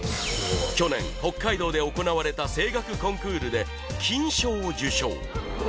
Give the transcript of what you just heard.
去年北海道で行われた声楽コンクールで金賞を受賞。